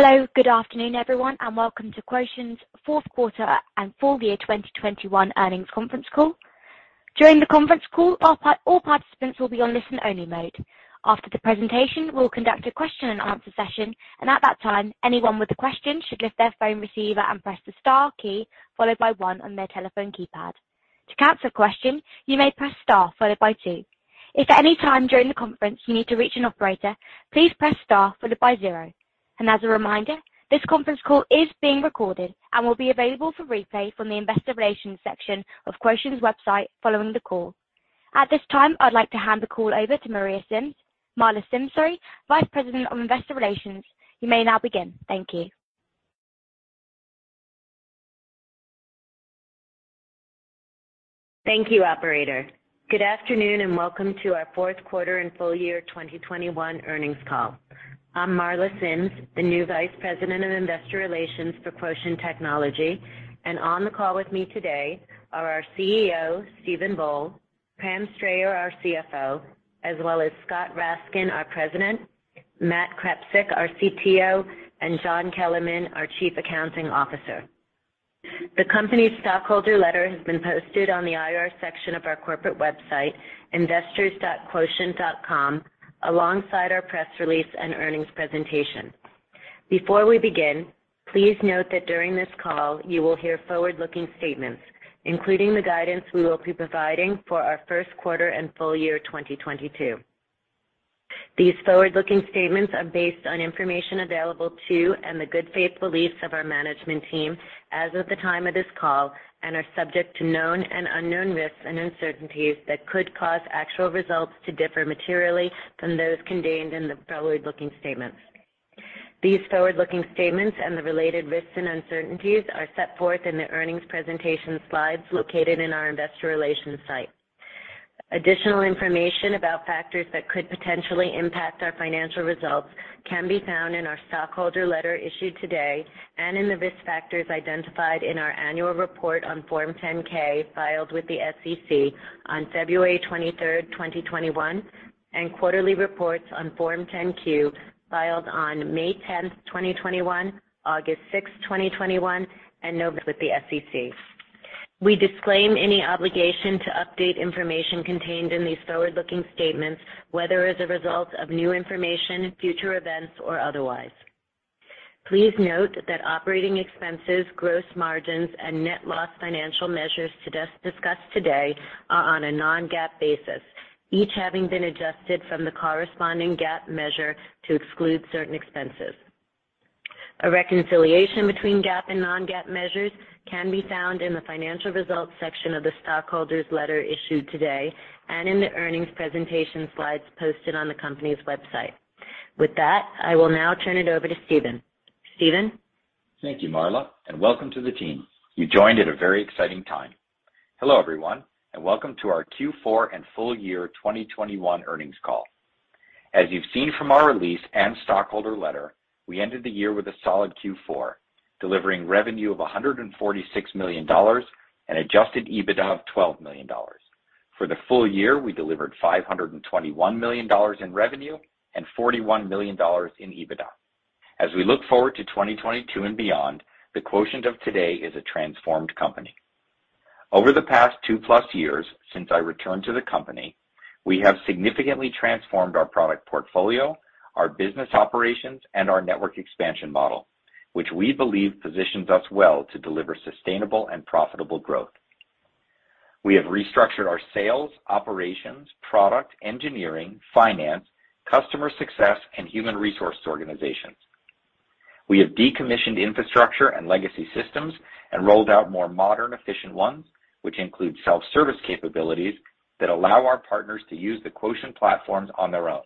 Hello, good afternoon, everyone, and welcome to Quotient's fourth quarter and full year 2021 earnings conference call. During the conference call, all participants will be on listen-only mode. After the presentation, we'll conduct a question-and-answer session, and at that time, anyone with a question should lift their phone receiver and press the star key followed by one on their telephone keypad. To cancel a question, you may press star followed by two. If at any time during the conference you need to reach an operator, please press star followed by zero. As a reminder, this conference call is being recorded and will be available for replay from the investor relations section of Quotient's website following the call. At this time, I'd like to hand the call over to Marla Sims, sorry, Vice President of Investor Relations. You may now begin. Thank you. Thank you, operator. Good afternoon, and welcome to our fourth quarter and full year 2021 earnings call. I'm Marla Sims, the new Vice President of Investor Relations for Quotient Technology, and on the call with me today are our CEO, Steven Boal, Pam Strayer, our CFO, as well as Scott Raskin, our President, Matt Krepsik, our CTO, and John Kellerman, our Chief Accounting Officer. The company's stockholder letter has been posted on the IR section of our corporate website, investors.quotient.com, alongside our press release and earnings presentation. Before we begin, please note that during this call, you will hear forward-looking statements, including the guidance we will be providing for our first quarter and full year 2022. These forward-looking statements are based on information available to and the good faith beliefs of our management team as of the time of this call and are subject to known and unknown risks and uncertainties that could cause actual results to differ materially from those contained in the forward-looking statements. These forward-looking statements and the related risks and uncertainties are set forth in the earnings presentation slides located in our investor relations site. Additional information about factors that could potentially impact our financial results can be found in our stockholder letter issued today and in the risk factors identified in our annual report on Form 10-K filed with the SEC on February 23rd, 2021, and quarterly reports on Form 10-Q filed on May 10th, 2021, August 6th, 2021, and November with the SEC. We disclaim any obligation to update information contained in these forward-looking statements, whether as a result of new information, future events, or otherwise. Please note that operating expenses, gross margins, and net loss financial measures discussed today are on a non-GAAP basis, each having been adjusted from the corresponding GAAP measure to exclude certain expenses. A reconciliation between GAAP and non-GAAP measures can be found in the financial results section of the stockholders letter issued today and in the earnings presentation slides posted on the company's website. With that, I will now turn it over to Steven. Steven? Thank you, Marla, and welcome to the team. You joined at a very exciting time. Hello, everyone, and welcome to our Q4 and full year 2021 earnings call. As you've seen from our release and stockholder letter, we ended the year with a solid Q4, delivering revenue of $146 million and adjusted EBITDA of $12 million. For the full year, we delivered $521 million in revenue and $41 million in EBITDA. As we look forward to 2022 and beyond, the Quotient of today is a transformed company. Over the past 2+ years since I returned to the company, we have significantly transformed our product portfolio, our business operations, and our network expansion model, which we believe positions us well to deliver sustainable and profitable growth. We have restructured our sales, operations, product, engineering, finance, customer success, and human resource organizations. We have decommissioned infrastructure and legacy systems and rolled out more modern, efficient ones, which include self-service capabilities that allow our partners to use the Quotient platforms on their own.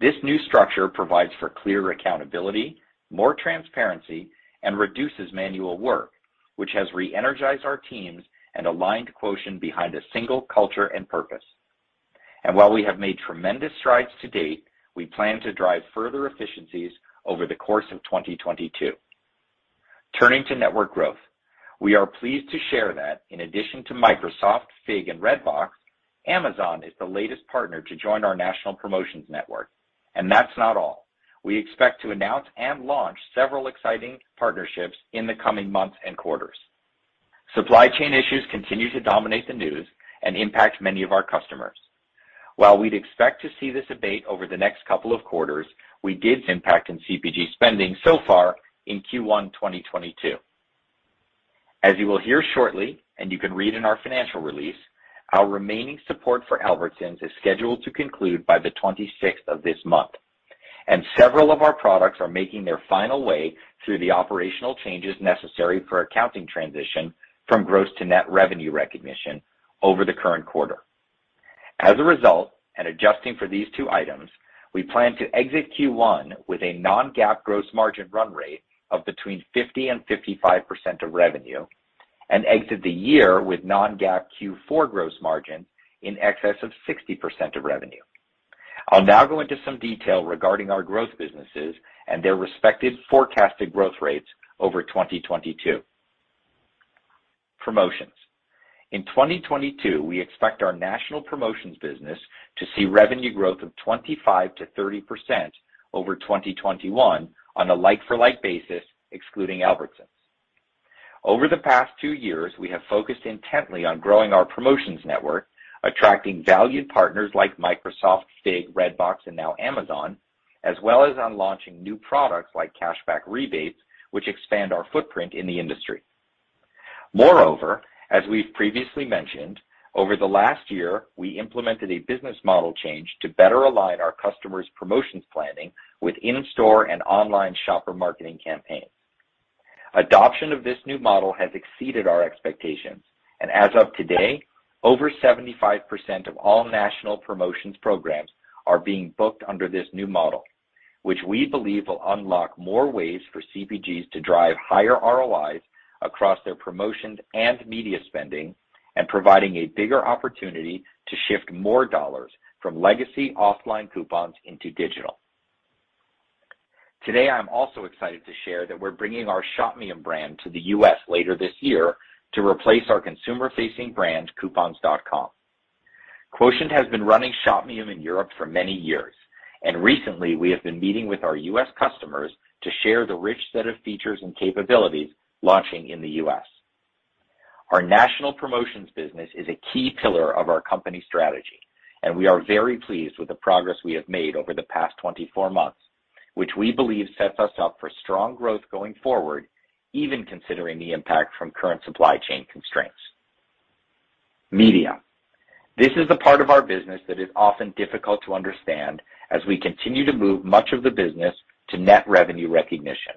This new structure provides for clearer accountability, more transparency, and reduces manual work, which has re-energized our teams and aligned Quotient behind a single culture and purpose. While we have made tremendous strides to date, we plan to drive further efficiencies over the course of 2022. Turning to network growth, we are pleased to share that in addition to Microsoft, Figg, and Redbox, Amazon is the latest partner to join our national promotions network. That's not all. We expect to announce and launch several exciting partnerships in the coming months and quarters. Supply chain issues continue to dominate the news and impact many of our customers. While we'd expect to see this abate over the next couple of quarters, we did see an impact in CPG spending so far in Q1 2022. As you will hear shortly, and you can read in our financial release, our remaining support for Albertsons is scheduled to conclude by the 26th of this month, and several of our products are making their final way through the operational changes necessary for accounting transition from gross to net revenue recognition over the current quarter. As a result, and adjusting for these two items, we plan to exit Q1 with a non-GAAP gross margin run rate of between 50% and 55% of revenue and exit the year with non-GAAP Q4 gross margin in excess of 60% of revenue. I'll now go into some detail regarding our growth businesses and their respective forecasted growth rates over 2022. Promotions. In 2022, we expect our national promotions business to see revenue growth of 25%-30% over 2021 on a like-for-like basis, excluding Albertsons. Over the past two years, we have focused intently on growing our promotions network, attracting valued partners like Microsoft, Figg, Redbox, and now Amazon, as well as on launching new products like cash-back rebates, which expand our footprint in the industry. Moreover, as we've previously mentioned, over the last year, we implemented a business model change to better align our customers' promotions planning with in-store and online shopper marketing campaigns. Adoption of this new model has exceeded our expectations, and as of today, over 75% of all national promotions programs are being booked under this new model, which we believe will unlock more ways for CPGs to drive higher ROIs across their promotions and media spending and providing a bigger opportunity to shift more dollars from legacy offline coupons into digital. Today, I'm also excited to share that we're bringing our Shopmium brand to the U.S. later this year to replace our consumer-facing brand, Coupons.com. Quotient has been running Shopmium in Europe for many years, and recently we have been meeting with our U.S. customers to share the rich set of features and capabilities launching in the U.S. Our national promotions business is a key pillar of our company strategy, and we are very pleased with the progress we have made over the past 24 months, which we believe sets us up for strong growth going forward, even considering the impact from current supply chain constraints. Media, this is the part of our business that is often difficult to understand as we continue to move much of the business to net revenue recognition.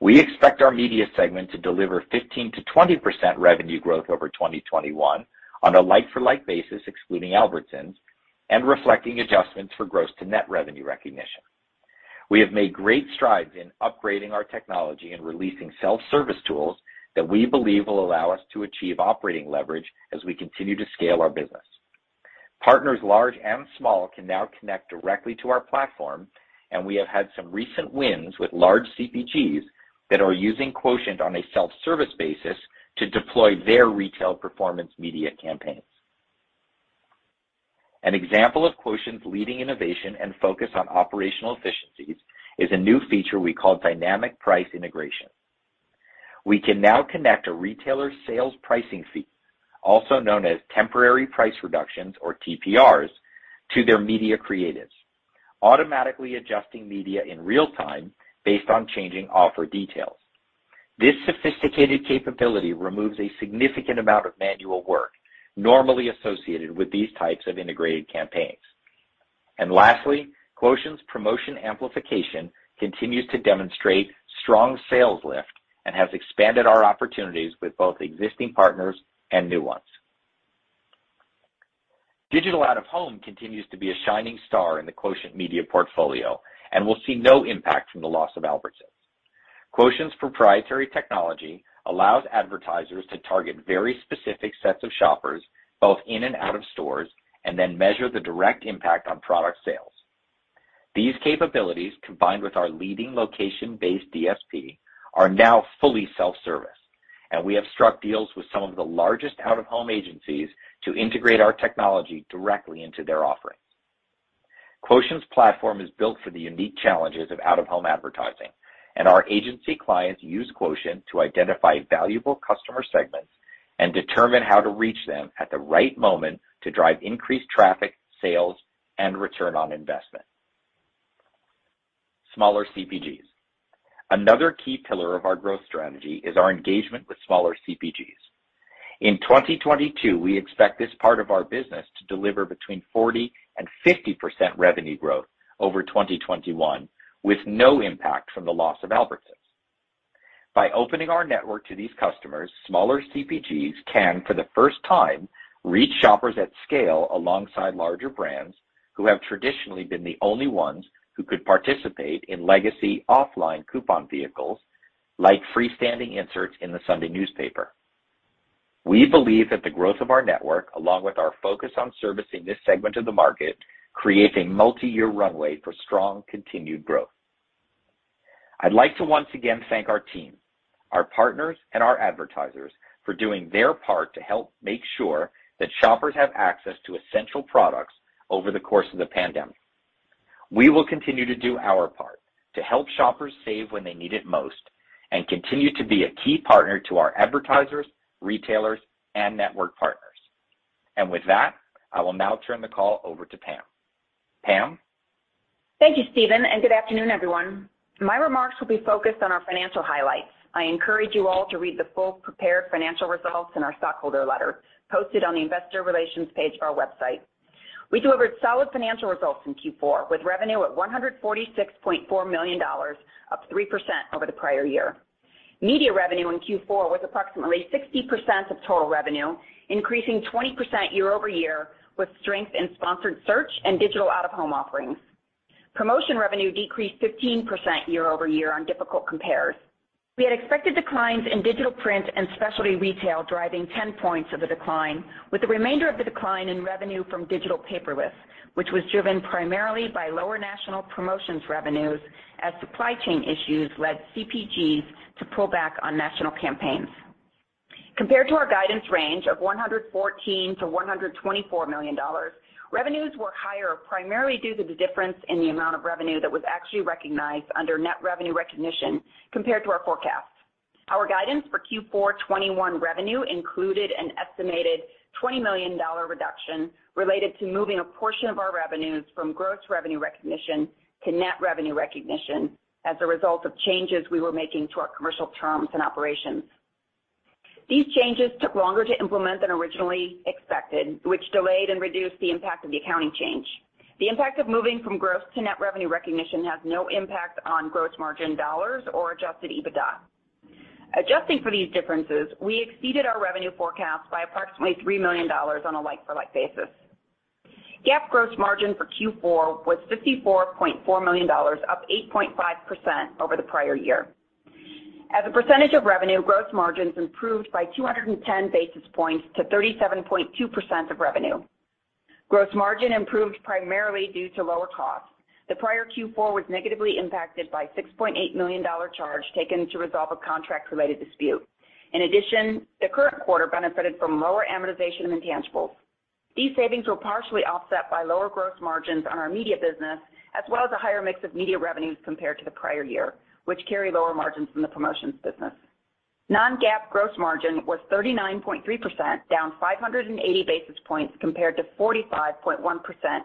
We expect our media segment to deliver 15%-20% revenue growth over 2021 on a like-for-like basis, excluding Albertsons, and reflecting adjustments for gross to net revenue recognition. We have made great strides in upgrading our technology and releasing self-service tools that we believe will allow us to achieve operating leverage as we continue to scale our business. Partners large and small can now connect directly to our platform, and we have had some recent wins with large CPGs that are using Quotient on a self-service basis to deploy their retail performance media campaigns. An example of Quotient's leading innovation and focus on operational efficiencies is a new feature we call dynamic price integration. We can now connect a retailer's sales pricing fee, also known as temporary price reductions or TPR, to their media creatives, automatically adjusting media in real time based on changing offer details. This sophisticated capability removes a significant amount of manual work normally associated with these types of integrated campaigns. Lastly, Quotient's promotion amplification continues to demonstrate strong sales lift and has expanded our opportunities with both existing partners and new ones. Digital out-of-home continues to be a shining star in the Quotient media portfolio and will see no impact from the loss of Albertsons. Quotient's proprietary technology allows advertisers to target very specific sets of shoppers, both in and out of stores, and then measure the direct impact on product sales. These capabilities, combined with our leading location-based DSP, are now fully self-service, and we have struck deals with some of the largest out-of-home agencies to integrate our technology directly into their offerings. Quotient's platform is built for the unique challenges of out-of-home advertising, and our agency clients use Quotient to identify valuable customer segments and determine how to reach them at the right moment to drive increased traffic, sales, and return on investment. Smaller CPGs, another key pillar of our growth strategy is our engagement with smaller CPGs. In 2022, we expect this part of our business to deliver between 40% and 50% revenue growth over 2021, with no impact from the loss of Albertsons. By opening our network to these customers, smaller CPGs can, for the first time, reach shoppers at scale alongside larger brands who have traditionally been the only ones who could participate in legacy offline coupon vehicles like freestanding inserts in the Sunday newspaper. We believe that the growth of our network, along with our focus on servicing this segment of the market, creates a multiyear runway for strong continued growth. I'd like to once again thank our team, our partners, and our advertisers for doing their part to help make sure that shoppers have access to essential products over the course of the pandemic. We will continue to do our part to help shoppers save when they need it most and continue to be a key partner to our advertisers, retailers, and network partners. With that, I will now turn the call over to Pam. Pam? Thank you, Steven, and good afternoon, everyone. My remarks will be focused on our financial highlights. I encourage you all to read the full prepared financial results in our stockholder letter posted on the investor relations page of our website. We delivered solid financial results in Q4, with revenue at $146.4 million, up 3% over the prior year. Media revenue in Q4 was approximately 60% of total revenue, increasing 20% year-over-year with strength in sponsored search and digital out-of-home offerings. Promotion revenue decreased 15% year-over-year on difficult compares. We had expected declines in digital print and specialty retail driving 10 points of the decline, with the remainder of the decline in revenue from digital paperless, which was driven primarily by lower national promotions revenues as supply chain issues led CPGs to pull back on national campaigns. Compared to our guidance range of $114 million-$124 million, revenues were higher primarily due to the difference in the amount of revenue that was actually recognized under net revenue recognition compared to our forecast. Our guidance for Q4 2021 revenue included an estimated $20 million reduction related to moving a portion of our revenues from gross revenue recognition to net revenue recognition as a result of changes we were making to our commercial terms and operations. These changes took longer to implement than originally expected, which delayed and reduced the impact of the accounting change. The impact of moving from gross to net revenue recognition has no impact on gross margin dollars or adjusted EBITDA. Adjusting for these differences, we exceeded our revenue forecast by approximately $3 million on a like-for-like basis. GAAP gross margin for Q4 was $54.4 million, up 8.5% over the prior year. As a percentage of revenue, gross margins improved by 210 basis points to 37.2% of revenue. Gross margin improved primarily due to lower costs. The prior Q4 was negatively impacted by $6.8 million-dollar charge taken to resolve a contract-related dispute. In addition, the current quarter benefited from lower amortization of intangibles. These savings were partially offset by lower gross margins on our media business, as well as a higher mix of media revenues compared to the prior year, which carry lower margins than the promotions business. Non-GAAP gross margin was 39.3%, down 580 basis points compared to 45.1%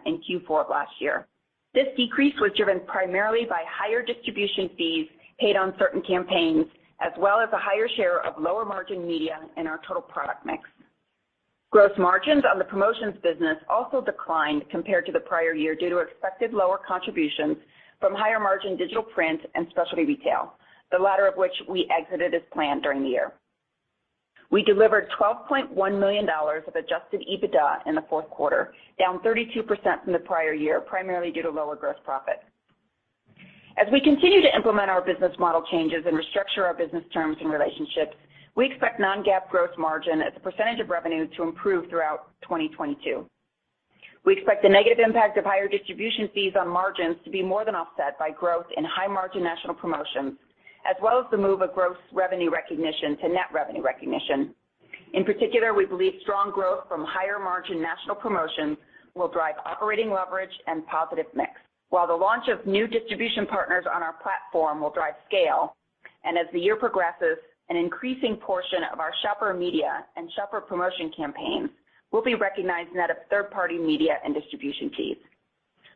in Q4 of last year. This decrease was driven primarily by higher distribution fees paid on certain campaigns, as well as a higher share of lower margin media in our total product mix. Gross margins on the promotions business also declined compared to the prior year due to expected lower contributions from higher margin digital print and specialty retail, the latter of which we exited as planned during the year. We delivered $12.1 million of adjusted EBITDA in the fourth quarter, down 32% from the prior year, primarily due to lower gross profit. As we continue to implement our business model changes and restructure our business terms and relationships, we expect non-GAAP gross margin as a percentage of revenue to improve throughout 2022. We expect the negative impact of higher distribution fees on margins to be more than offset by growth in high margin national promotions, as well as the move of gross revenue recognition to net revenue recognition. In particular, we believe strong growth from higher margin national promotions will drive operating leverage and positive mix, while the launch of new distribution partners on our platform will drive scale. As the year progresses, an increasing portion of our shopper media and shopper promotion campaigns will be recognized net of third-party media and distribution fees.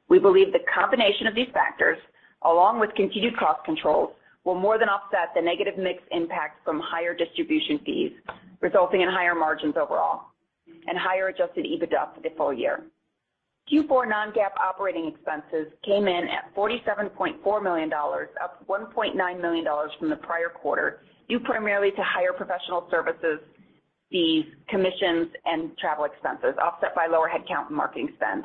We believe the combination of these factors, along with continued cost controls, will more than offset the negative mix impact from higher distribution fees, resulting in higher margins overall and higher adjusted EBITDA for the full year. Q4 non-GAAP operating expenses came in at $47.4 million, up $1.9 million from the prior quarter, due primarily to higher professional services fees, commissions, and travel expenses, offset by lower headcount and marketing spend.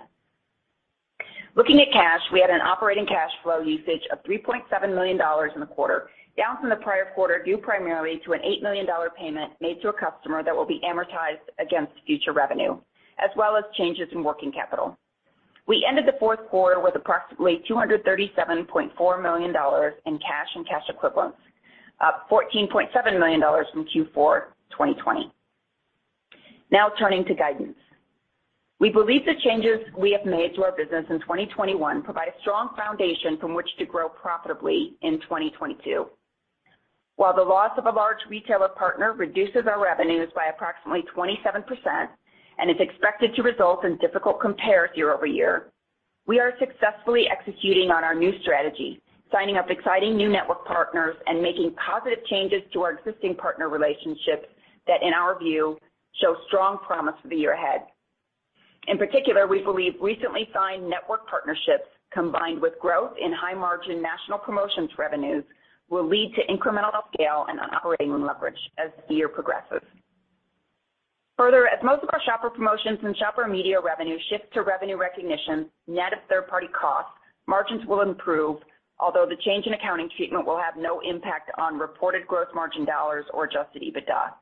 Looking at cash, we had an operating cash flow usage of $3.7 million in the quarter, down from the prior quarter, due primarily to an $8 million payment made to a customer that will be amortized against future revenue, as well as changes in working capital. We ended the fourth quarter with approximately $237.4 million in cash and cash equivalents, up $14.7 million from Q4 2020. Now turning to guidance. We believe the changes we have made to our business in 2021 provide a strong foundation from which to grow profitably in 2022. While the loss of a large retailer partner reduces our revenues by approximately 27% and is expected to result in difficult compare year-over-year, we are successfully executing on our new strategy, signing up exciting new network partners and making positive changes to our existing partner relationships that, in our view, show strong promise for the year ahead. In particular, we believe recently signed network partnerships combined with growth in high margin national promotions revenues will lead to incremental scale and operating leverage as the year progresses. Further, as most of our shopper promotions and shopper media revenue shift to revenue recognition net of third-party costs, margins will improve, although the change in accounting treatment will have no impact on reported gross margin dollars or adjusted EBITDA.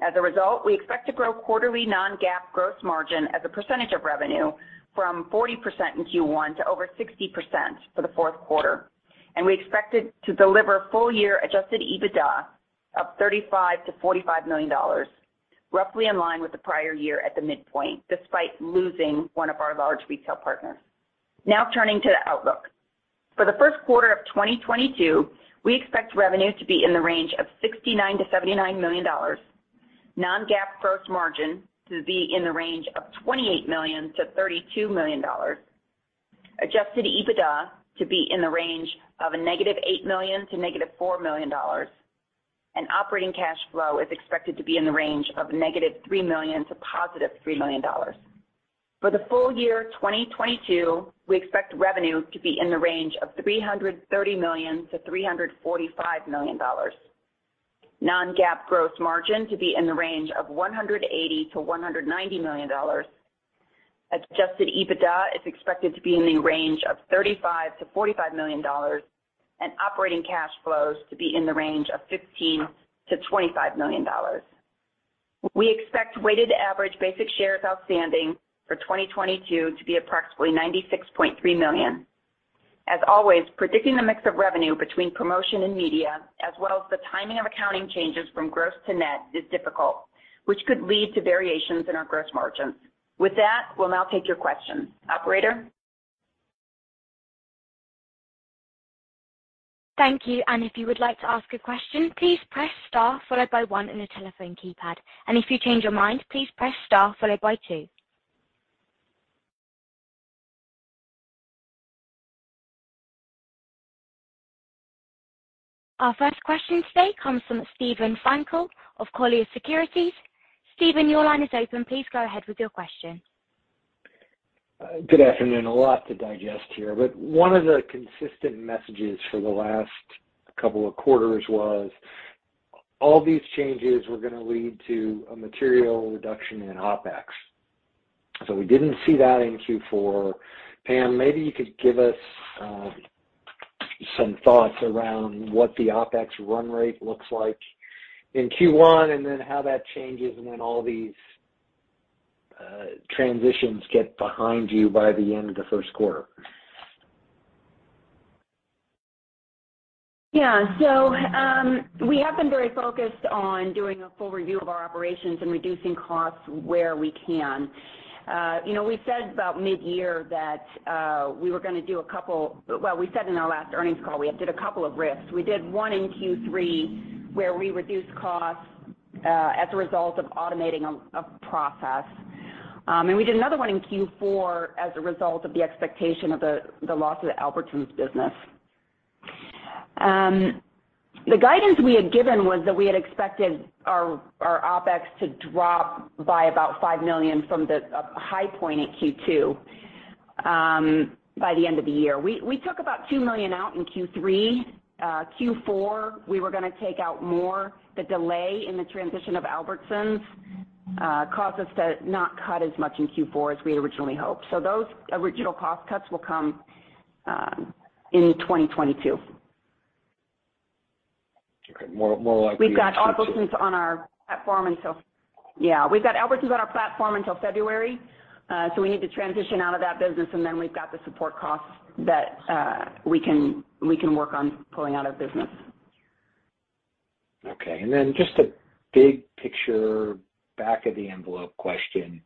As a result, we expect to grow quarterly non-GAAP gross margin as a percentage of revenue from 40% in Q1 to over 60% for the fourth quarter. We expect it to deliver full-year adjusted EBITDA of $35 million-$45 million, roughly in line with the prior year at the midpoint, despite losing one of our large retail partners. Now turning to the outlook. For the first quarter of 2022, we expect revenues to be in the range of $69 million-$79 million, non-GAAP gross margin to be in the range of $28 million-$32 million, adjusted EBITDA to be in the range of -$8 million to -$4 million, and operating cash flow is expected to be in the range of -$3 million to +$3 million. For the full year 2022, we expect revenues to be in the range of $330 million-$345 million, non-GAAP gross margin to be in the range of $180 million-$190 million, adjusted EBITDA is expected to be in the range of $35 million-$45 million, and operating cash flows to be in the range of $15 million-$25 million. We expect weighted average basic shares outstanding for 2022 to be approximately 96.3 million. As always, predicting the mix of revenue between promotion and media, as well as the timing of accounting changes from gross to net is difficult, which could lead to variations in our gross margins. With that, we'll now take your questions. Operator? Thank you. If you would like to ask a question, please press star followed by one on your telephone keypad. If you change your mind, please press star followed by two. Our first question today comes from Steven Frankel of Colliers Securities. Steven, your line is open. Please go ahead with your question. Good afternoon. A lot to digest here, but one of the consistent messages for the last couple of quarters was all these changes were gonna lead to a material reduction in OpEx. We didn't see that in Q4. Pam, maybe you could give us some thoughts around what the OpEx run rate looks like in Q1, and then how that changes when all these transitions get behind you by the end of the first quarter. Yeah. We have been very focused on doing a full review of our operations and reducing costs where we can. You know, we said about mid-year that we were gonna do a couple of restructurings. We said in our last earnings call, we did a couple of restructurings. We did one in Q3, where we reduced costs as a result of automating a process. We did another one in Q4 as a result of the expectation of the loss of the Albertsons business. The guidance we had given was that we had expected our OpEx to drop by about $5 million from the high point at Q2 by the end of the year. We took about $2 million out in Q3. Q4, we were gonna take out more. The delay in the transition of Albertsons caused us to not cut as much in Q4 as we had originally hoped. Those original cost cuts will come in 2022. Okay. More likely in Q2. We've got Albertsons on our platform until February, so we need to transition out of that business, and then we've got the support costs that we can work on pulling out of business. Okay. Just a big picture back-of-the-envelope question.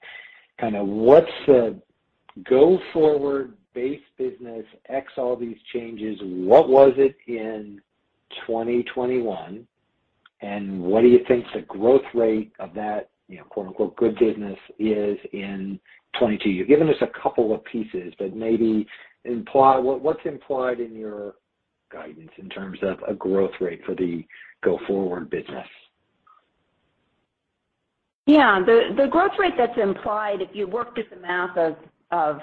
Kinda, what's the go-forward base business ex all these changes? What was it in 2021, and what do you think the growth rate of that, you know, quote-unquote, good business is in 2022? You've given us a couple of pieces that maybe imply. What’s implied in your guidance in terms of a growth rate for the go-forward business? Yeah. The growth rate that's implied if you worked out the math of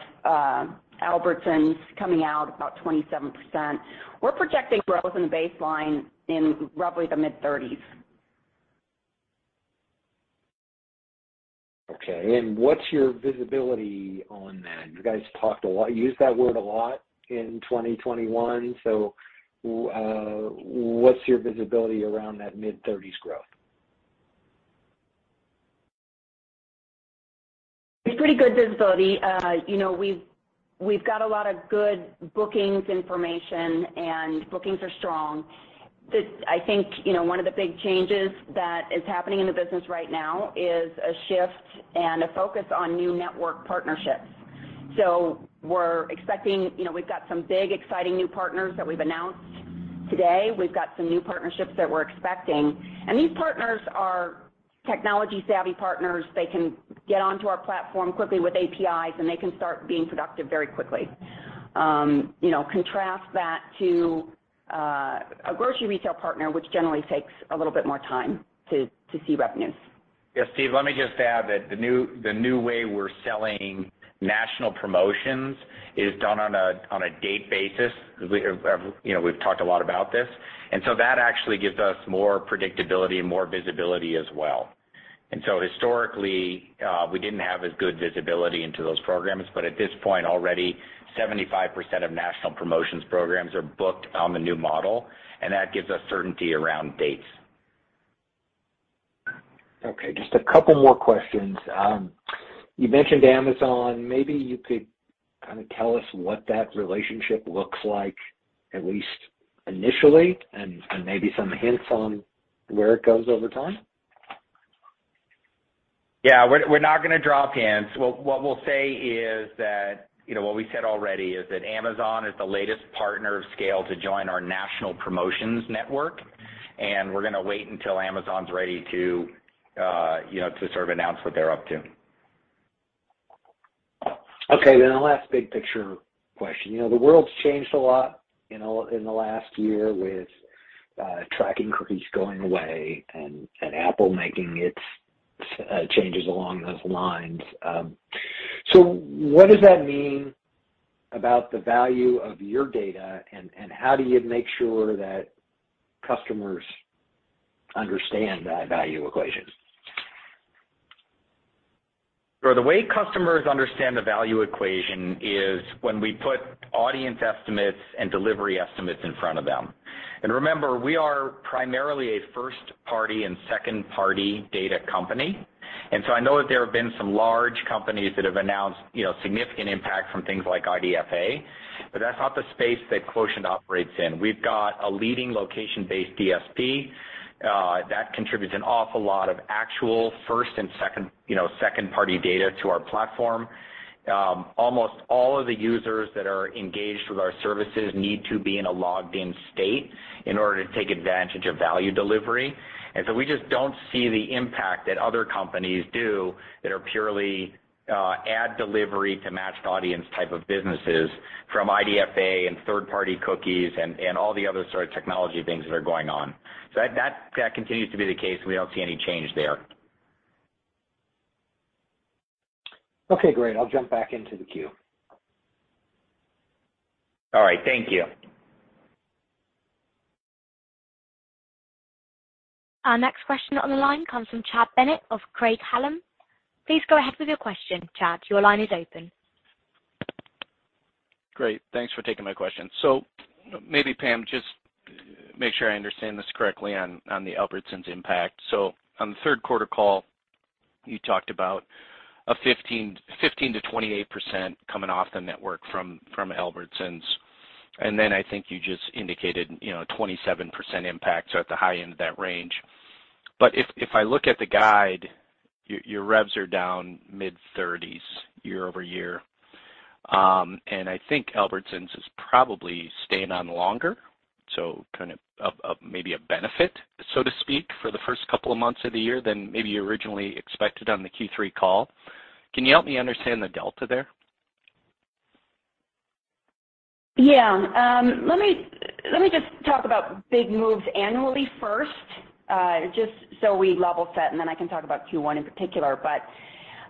Albertsons coming out about 27%, we're projecting growth in the baseline in roughly the mid-30s. Okay. What's your visibility on that? You guys talked a lot, used that word a lot in 2021. What's your visibility around that mid-30s growth? It's pretty good visibility. You know, we've got a lot of good bookings information, and bookings are strong. I think, you know, one of the big changes that is happening in the business right now is a shift and a focus on new network partnerships. We're expecting, you know, we've got some big exciting new partners that we've announced today. We've got some new partnerships that we're expecting. These partners are technology-savvy partners. They can get onto our platform quickly with APIs, and they can start being productive very quickly. You know, contrast that to a grocery retail partner, which generally takes a little bit more time to see revenues. Yeah. Steven, let me just add that the new way we're selling national promotions is done on a date basis. You know, we've talked a lot about this. That actually gives us more predictability and more visibility as well. Historically, we didn't have as good visibility into those programs, but at this point already, 75% of national promotions programs are booked on the new model, and that gives us certainty around dates. Okay, just a couple more questions. You mentioned Amazon. Maybe you could kinda tell us what that relationship looks like at least initially and maybe some hints on where it goes over time. Yeah. We're not gonna drop hints. What we'll say is that, you know, what we said already is that Amazon is the latest partner of scale to join our national promotions network, and we're gonna wait until Amazon's ready to, you know, to sort of announce what they're up to. Okay, the last big picture question. You know, the world's changed a lot in the last year with tracking cookies going away and Apple making its changes along those lines. What does that mean about the value of your data, and how do you make sure that customers understand that value equation? The way customers understand the value equation is when we put audience estimates and delivery estimates in front of them. Remember, we are primarily a first-party and second-party data company. I know that there have been some large companies that have announced, you know, significant impact from things like IDFA, but that's not the space that Quotient operates in. We've got a leading location-based DSP that contributes an awful lot of actual first and second, you know, second-party data to our platform. Almost all of the users that are engaged with our services need to be in a logged in state in order to take advantage of value delivery. We just don't see the impact that other companies do that are purely ad delivery to matched audience type of businesses from IDFA and third-party cookies and all the other sort of technology things that are going on. That continues to be the case. We don't see any change there. Okay, great. I'll jump back into the queue. All right, thank you. Our next question on the line comes from Chad Bennett of Craig-Hallum. Please go ahead with your question. Chad, your line is open. Great. Thanks for taking my question. Maybe Pam, just make sure I understand this correctly on the Albertsons impact. On the third quarter call, you talked about a 15%-28% coming off the network from Albertsons. Then I think you just indicated, you know, 27% impact at the high end of that range. If I look at the guide, your revs are down mid-30s year-over-year. I think Albertsons is probably staying on longer, kind of maybe a benefit, so to speak, for the first couple of months of the year than maybe you originally expected on the Q3 call. Can you help me understand the delta there? Yeah. Let me just talk about big moves annually first, just so we level set, and then I can talk about Q1 in particular.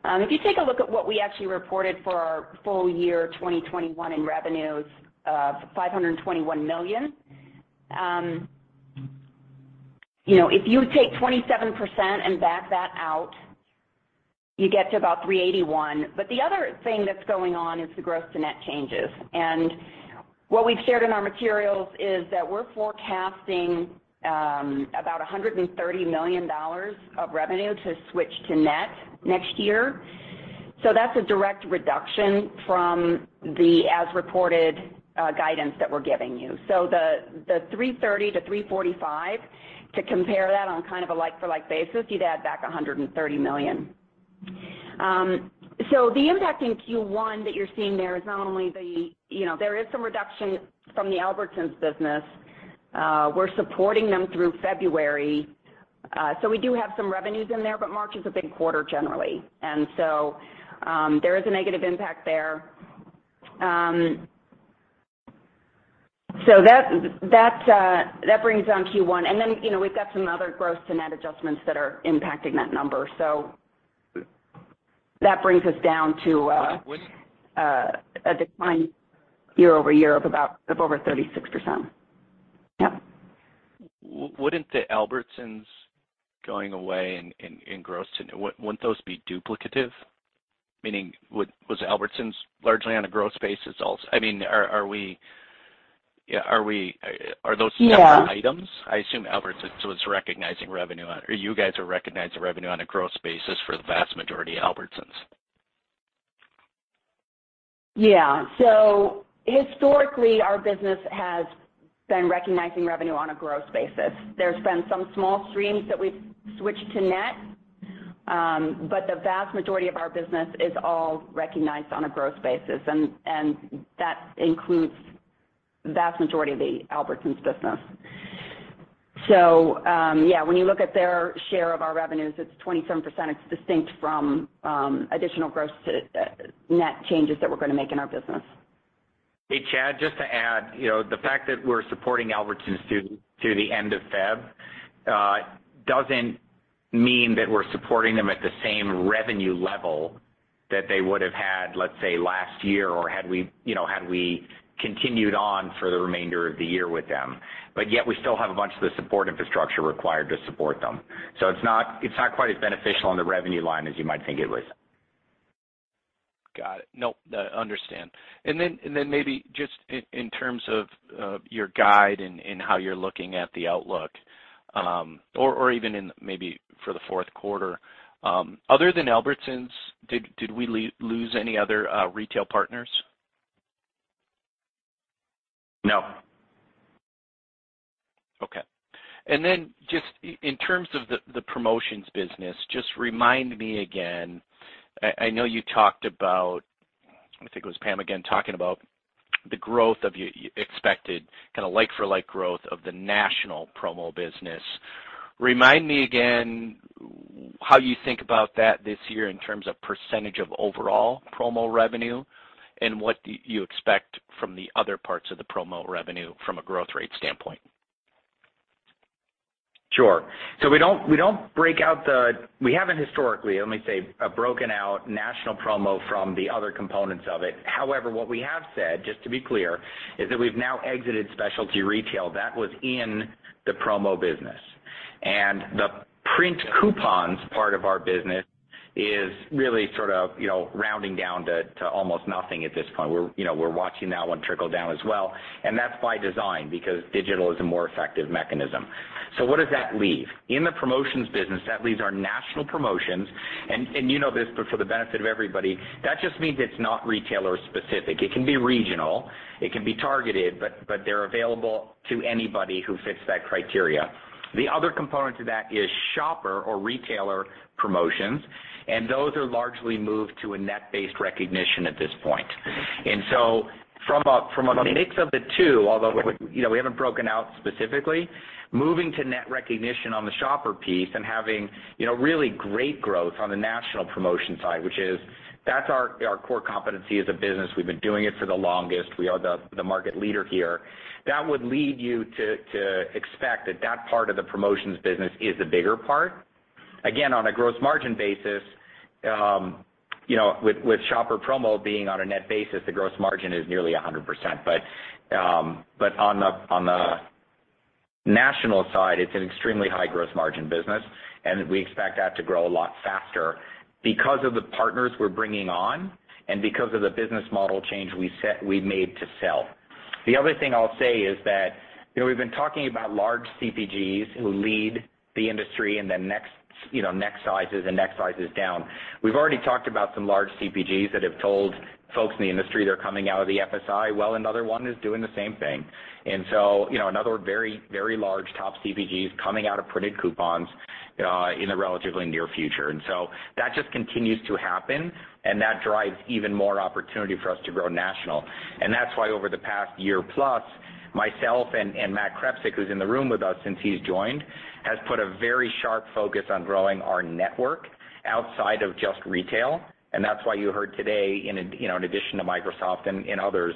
If you take a look at what we actually reported for our full year 2021 in revenues, $521 million, you know, if you take 27% and back that out, you get to about $381 million. The other thing that's going on is the gross to net changes. What we've shared in our materials is that we're forecasting about $130 million of revenue to switch to net next year. That's a direct reduction from the as reported guidance that we're giving you. The $330 million-$345 million, to compare that on kind of a like-for-like basis, you'd add back $130 million. The impact in Q1 that you're seeing there is not only the. There is some reduction from the Albertsons business. We're supporting them through February, so we do have some revenues in there, but March is a big quarter generally. There is a negative impact there. That brings down Q1. And then, yoou know, we've got some other gross to net adjustments that are impacting that number. That brings us down to Would- A decline year-over-year of over 36%. Yep. Wouldn't those be duplicative? Meaning, was Albertsons largely on a gross basis also? I mean, are we? Are those separate items? Yeah. I assume Albertsons was recognizing revenue on or you guys are recognizing revenue on a gross basis for the vast majority of Albertsons. Yeah. Historically, our business has been recognizing revenue on a gross basis. There's been some small streams that we've switched to net, but the vast majority of our business is all recognized on a gross basis, and that includes the vast majority of the Albertsons business. Yeah, when you look at their share of our revenues, it's 27%. It's distinct from additional gross to net changes that we're gonna make in our business. Hey, Chad, just to add, you know, the fact that we're supporting Albertsons through the end of February doesn't mean that we're supporting them at the same revenue level that they would have had, let's say, last year or had we continued on for the remainder of the year with them. But yet we still have a bunch of the support infrastructure required to support them. So it's not quite as beneficial on the revenue line as you might think it was. Got it. No, I understand. Then maybe just in terms of your guide and how you're looking at the outlook, or even maybe for the fourth quarter, other than Albertsons, did we lose any other retail partners? No. Okay. Then just in terms of the promotions business, just remind me again. I know you talked about, I think it was Pam again, talking about the growth of your expected kind of like-for-like growth of the national promo business. Remind me again how you think about that this year in terms of percentage of overall promo revenue and what do you expect from the other parts of the promo revenue from a growth rate standpoint? Sure. We don't break out. We haven't historically, let me say, broken out national promo from the other components of it. However, what we have said, just to be clear, is that we've now exited specialty retail. That was in the promo business. The print coupons part of our business is really sort of, you know, rounding down to almost nothing at this point. You know, we're watching that one trickle down as well, and that's by design because digital is a more effective mechanism. What does that leave? In the promotions business that leaves our national promotions and you know this, but for the benefit of everybody, that just means it's not retailer specific. It can be regional, it can be targeted, but they're available to anybody who fits that criteria. The other component to that is shopper or retailer promotions, and those are largely moved to a net-based recognition at this point. From a mix of the two, although, you know, we haven't broken out specifically, moving to net recognition on the shopper piece and having, you know, really great growth on the national promotion side, which is our core competency as a business. We've been doing it for the longest. We are the market leader here. That would lead you to expect that part of the promotions business is the bigger part. Again, on a gross margin basis, you know, with shopper promo being on a net basis, the gross margin is nearly 100%. On the national side, it's an extremely high gross margin business, and we expect that to grow a lot faster because of the partners we're bringing on and because of the business model change we've made to sell. The other thing I'll say is that we've been talking about large CPGs who lead the industry and the next sizes down. We've already talked about some large CPGs that have told folks in the industry they're coming out of the FSI. Another one is doing the same thing. Another very large top CPG is coming out of printed coupons in the relatively near future. That just continues to happen and that drives even more opportunity for us to grow national. That's why over the past year plus, myself and Matt Krepsik, who's in the room with us since he's joined, has put a very sharp focus on growing our network outside of just retail. That's why you heard today in, you know, in addition to Microsoft and others,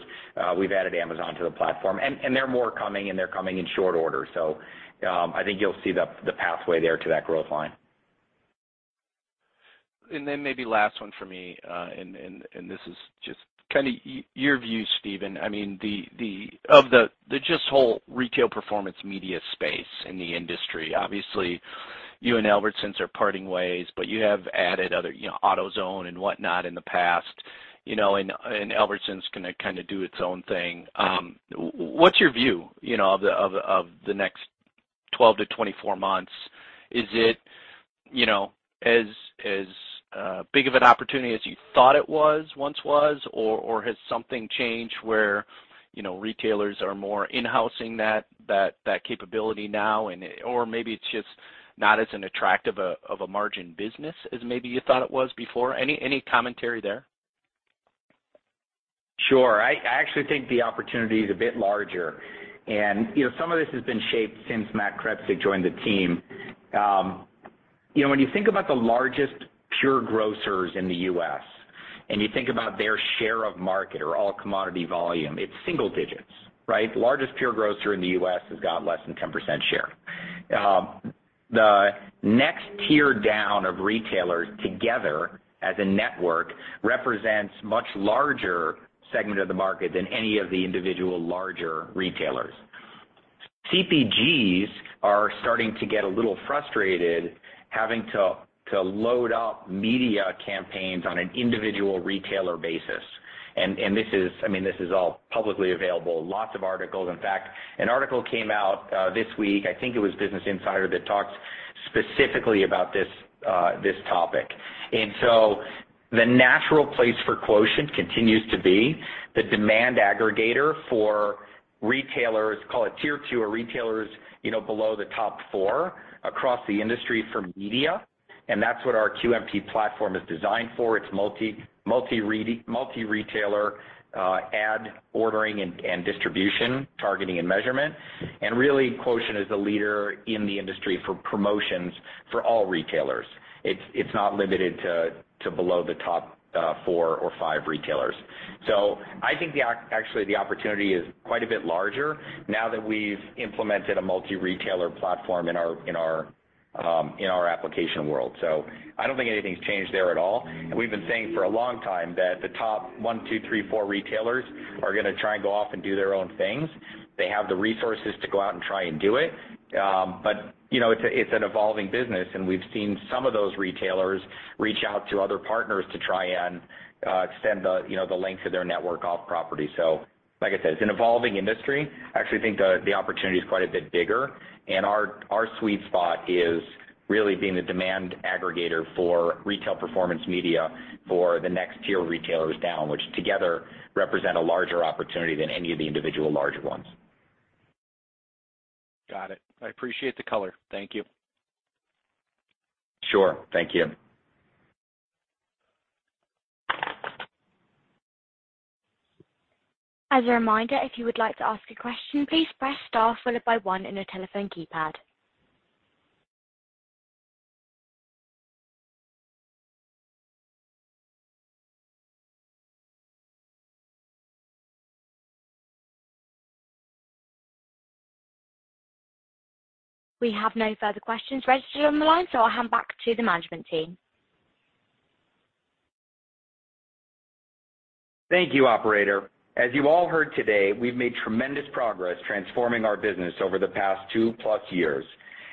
we've added Amazon to the platform. There are more coming, and they're coming in short order. I think you'll see the pathway there to that growth line. Then maybe last one for me, and this is just kind of your view, Steven. I mean, the whole retail performance media space in the industry. Obviously, you and Albertsons are parting ways, but you have added other, you know, AutoZone and whatnot in the past, you know, and Albertsons gonna kind of do its own thing. What's your view, you know, of the next 12 to 24 months? Is it, you know, as big of an opportunity as you thought it was, once was, or has something changed where, you know, retailers are more in-housing that capability now and it. Maybe it's just not as attractive of a margin business as maybe you thought it was before? Any commentary there? Sure. I actually think the opportunity is a bit larger. You know, some of this has been shaped since Matt Krepsik joined the team. You know, when you think about the largest pure grocers in the U.S. and you think about their share of market or all commodity volume, it's single digits, right? Largest pure grocer in the U.S. has got less than 10% share. The next tier down of retailers together as a network represents much larger segment of the market than any of the individual larger retailers. CPGs are starting to get a little frustrated having to load up media campaigns on an individual retailer basis. This is, I mean, this is all publicly available, lots of articles. In fact, an article came out this week, I think it was Business Insider, that talked specifically about this this topic. The natural place for Quotient continues to be the demand aggregator for retailers, call it tier 2 or retailers, you know, below the top four across the industry for media, and that's what our QMP platform is designed for. It's multi-retailer ad ordering and distribution, targeting and measurement. Really, Quotient is the leader in the industry for promotions for all retailers. It's not limited to below the top four or five retailers. I think actually the opportunity is quite a bit larger now that we've implemented a multi-retailer platform in our application world. I don't think anything's changed there at all. We've been saying for a long time that the top one, two, three, four retailers are gonna try and go off and do their own things. They have the resources to go out and try and do it. You know, it's an evolving business and we've seen some of those retailers reach out to other partners to try and extend the, you know, the length of their network off property. Like I said, it's an evolving industry. I actually think the opportunity is quite a bit bigger. Our sweet spot is really being the demand aggregator for retail performance media for the next tier of retailers down, which together represent a larger opportunity than any of the individual larger ones. Got it. I appreciate the color. Thank you. Sure. Thank you. As a reminder, if you would like to ask a question, please press star followed by one on your telephone keypad. We have no further questions registered on the line, so I'll hand back to the management team. Thank you, operator. As you all heard today, we've made tremendous progress transforming our business over the past 2+ years.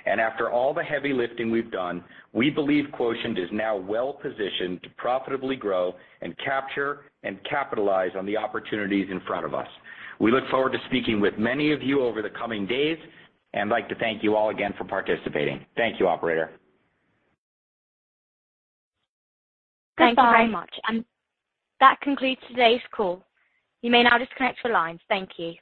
After all the heavy lifting we've done, we believe Quotient is now well positioned to profitably grow and capture and capitalize on the opportunities in front of us. We look forward to speaking with many of you over the coming days, and I'd like to thank you all again for participating. Thank you, operator. Good bye. Thank you very much. That concludes today's call. You may now disconnect your lines. Thank you.